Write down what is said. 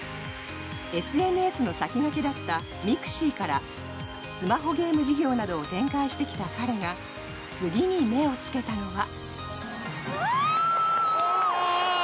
ＳＮＳの先駆けだったｍｉｘｉからスマホゲーム事業などを展開してきた彼が次に目を付けたのは。